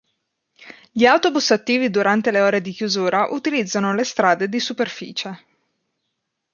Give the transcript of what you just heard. Gli autobus attivi durante le ore di chiusura utilizzano le strade di superficie.